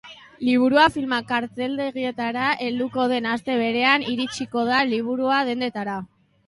Liburua filma karteldegietara helduko den aste berean iritsiko da liburu dendetara.